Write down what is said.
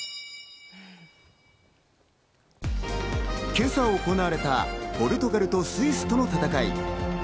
今朝行われたポルトガルとスイスとの戦い。